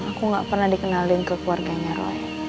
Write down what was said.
aku gak pernah dikenalin ke keluarganya roy